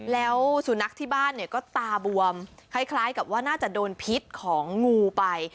แล้วสุนัขที่บ้านเนี่ยก็ตาบวมคล้ายกับว่าน่าจะโดนพิษของงูไป